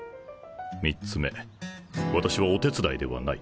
３つ目私はお手伝いではない。